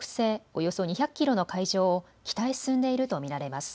およそ２００キロの海上を北へ進んでいると見られます。